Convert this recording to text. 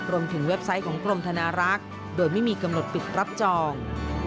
เว็บไซต์ของกรมธนารักษ์โดยไม่มีกำหนดปิดรับจอง